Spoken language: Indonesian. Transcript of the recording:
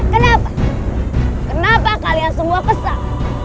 kenapa kenapa kalian semua kesal